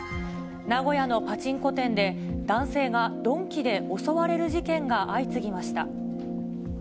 名古屋のパチンコ店で、男性が鈍器で襲われる事件が相次ぎました。